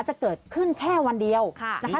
จะเกิดขึ้นแค่วันเดียวนะคะ